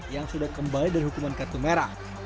yang sudah kembali dari hukuman kartu merah